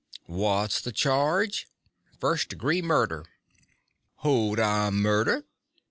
"What's the charge?" "First degree murder." "Who'd I murder?"